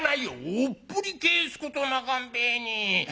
「おっぽり返すことなかんべえに。